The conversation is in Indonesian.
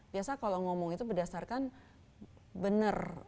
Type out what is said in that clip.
biasa kalau ngomong itu berdasarkan benar